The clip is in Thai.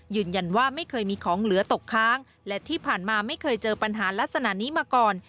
ไม่เคยมีของเหลือตกค้างและที่ผ่านมาไม่เคยเจอปัญหาลักษณะนี้มาก่อน